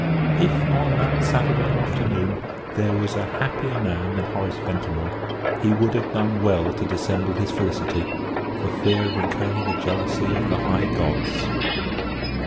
If on that Saturday afternoon there was a happier man than Horace Ventimore, he would have done well to dissemble his felicity, for fear of incurring the jealousy of the high gods.